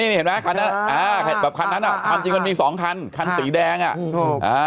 นี่เห็นมั้ยคันนั้นแบบคันนั้นอะจริงมันมี๒คันคันสีแดงอะ